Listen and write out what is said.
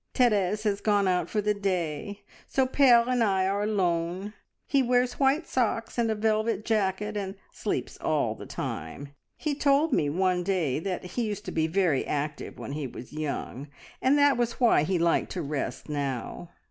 Therese has gone out for the day, so Pere and I are alone. He wears white socks and a velvet jacket, and sleeps all the time. He told me one day that he used to be very active when he was young, and that was why he liked to rest now.